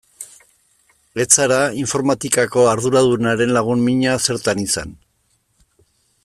Ez zara informatikako arduradunaren lagun mina zertan izan.